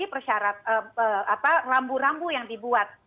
ini persyarat apa rambu rambu yang dibuat